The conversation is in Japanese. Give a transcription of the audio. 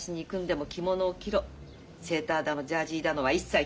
セーターだのジャージーだのは一切着るな。